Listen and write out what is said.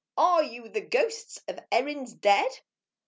Are you the ghosts Of Erin's dead?